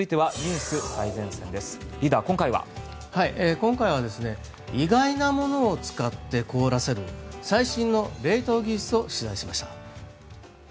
今回は意外なものを使って凍らせる最新の冷凍技術を取材しました。